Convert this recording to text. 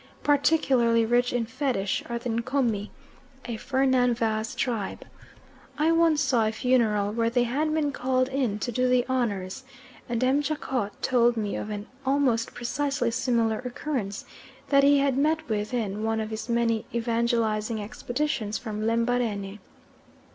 Particularly rich in Fetish are the Ncomi, a Fernan Vaz tribe. I once saw a funeral where they had been called in to do the honours, and M. Jacot told me of an almost precisely similar occurrence that he had met with in one of his many evangelising expeditions from Lembarene.